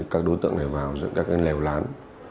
các đối tượng này vào dựng các cái lèo lán